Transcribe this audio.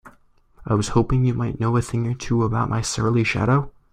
I was hoping you might know a thing or two about my surly shadow?